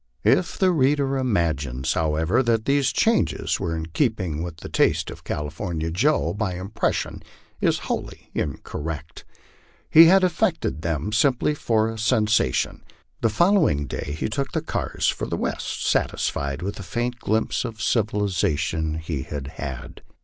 If the reader imagines, however, that these changes were in keeping with the taste of California Joe, the impression is wholly incorrect. He had effected them simply for a sen sation. The following day he took the cars for the West, satisfied with the faint glimpse of civilization he had had.